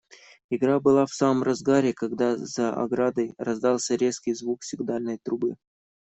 Игра была в самом разгаре, когда за оградой раздался резкий звук сигнальной трубы.